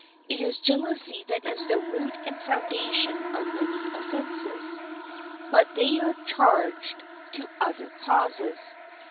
It is jealousy that is the root and foundation of many offenses, but they are charged to other causes.